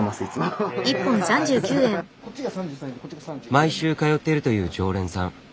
毎週通っているという常連さん。